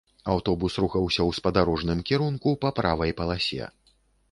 Аўтобус рухаўся ў спадарожным кірунку па правай паласе.